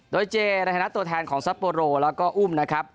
โดยเจในฐานะตัวแทนของซัปโปโรแล้วก็อุ้มนะครับ